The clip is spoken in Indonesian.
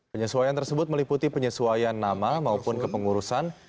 penyesuaian tersebut meliputi penyesuaian nama maupun kepengurusan